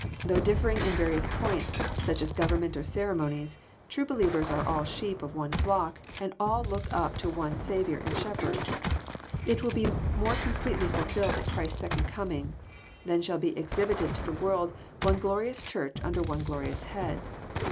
Though diflfering in various points, such as government or ceremonies, true believers are all sheep of one flock, and all look up to one Sa viour and Shepherd. It will be more completely fhlfllled at Christ's second coming : then shall be exhibited to the world one glorious Church under one glorious Head.